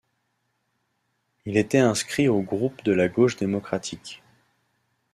Il était inscrit au groupe de la gauche démocratique.